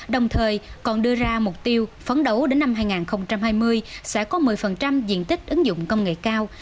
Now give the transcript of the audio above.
đồng thời còn đưa ra mục tiêu phấn đấu đến năm hai nghìn hai mươi sẽ có một mươi diện tích ứng dụng công nghệ cao